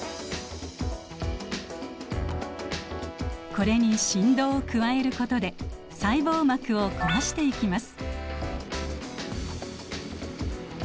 これに振動を加えることで細胞膜を壊していきます。